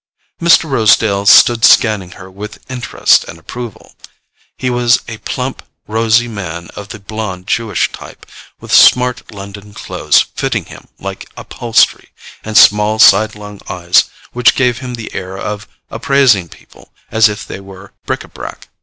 Mr. Rosedale stood scanning her with interest and approval. He was a plump rosy man of the blond Jewish type, with smart London clothes fitting him like upholstery, and small sidelong eyes which gave him the air of appraising people as if they were bric a brac.